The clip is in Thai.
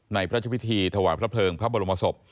ในพระพิธีถวายพระเพลิงพระบรมศพ